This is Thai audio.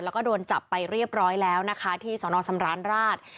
แล้วก็โดนจับไปเรียบร้อยแล้วนะคะที่สนสำราญราช